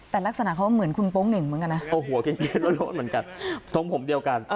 แต่ลักษณะเขาเหมือนคุณโป๊งหนึ่งเหมือนกันนะ